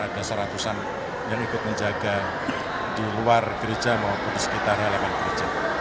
ada seratusan yang ikut menjaga di luar gereja maupun di sekitar halaman gereja